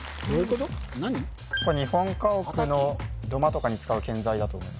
これ日本家屋の土間とかに使う建材だと思う